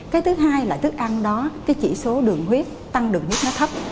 cái thứ hai là tức ăn đó cái chỉ số đường huyết tăng đường huyết nó thấp